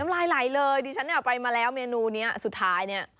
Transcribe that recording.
ลายไหลเลยดิฉันเนี่ยไปมาแล้วเมนูนี้สุดท้ายเนี่ย